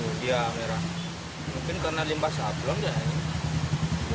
iya merah mungkin karena limbah sablon ya